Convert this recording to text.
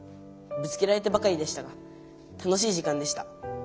ぶつけられてばかりでしたが楽しい時間でした。